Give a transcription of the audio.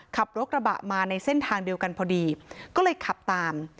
ขับรถกระบะมาในเส้นทางเดียวกันพอดีก็เลยขับตาม